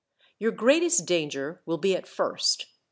"Your greatest danger will be at first.